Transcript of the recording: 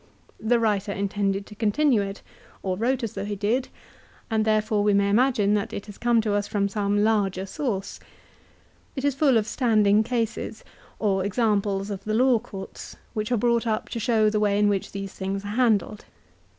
The writer intended to continue it, or wrote as though he did, and therefore we may imagine that it has come to us from some larger source. It is full of standing cases, or examples of the law courts, which are brought up to show the way in which these things are handled.